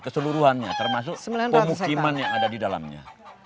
keseluruhannya termasuk pemukiman yang ada di dalamnya